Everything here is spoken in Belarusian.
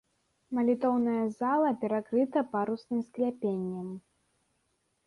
Малітоўная зала перакрыта парусным скляпеннем.